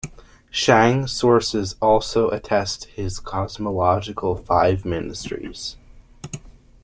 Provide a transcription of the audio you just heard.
Shang sources also attest his cosmological Five Ministries.